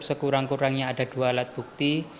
sekurang kurangnya ada dua alat bukti